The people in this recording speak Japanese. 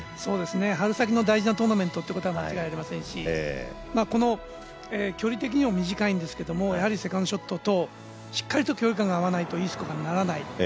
春先の大事なトーナメントってことに間違いありませんし、距離的にも短いんですけどセカンドショットとしっかりと距離感が合わないといいスコアにならない。